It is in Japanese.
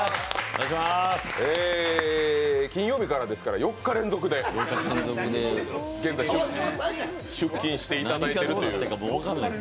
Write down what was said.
金曜日からですから、４日連続で現在出勤していただいているという。